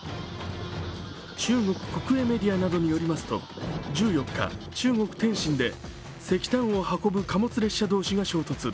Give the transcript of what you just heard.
中国国営メディアなどによりますと１４日、中国・天津で、石炭を運ぶ貨物列車同士が衝突。